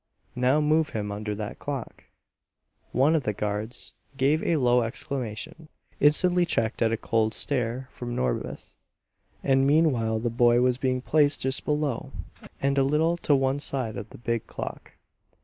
"Now move him under that clock!" One of the guards gave a low exclamation, instantly checked at a cold stare from Norbith. And meanwhile the boy was being placed just below, and a little to one side of the big clock.